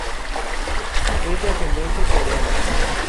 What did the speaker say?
Es de ascendencia coreana.